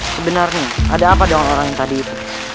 sebenarnya ada apa dong orang yang tadi itu